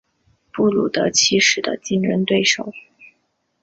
布鲁德七世的竞争对手。